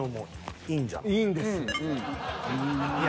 いいんです。